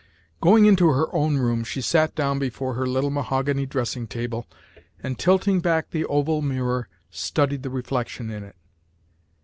Going into her own room, she sat down before her little mahogany dressing table, and tilting back the oval mirror, studied the reflection in it.